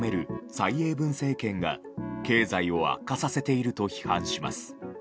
蔡英文政権が経済を悪化させていると批判します。